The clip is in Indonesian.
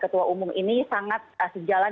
ketua umum ini sangat sejalan